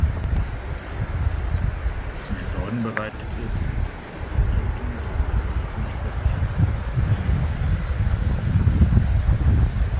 Was mir Sorgen bereitet, ist, dass der Eigentümer des Gebäudes nicht versichert war.